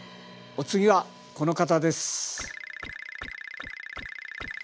お次はこの方です！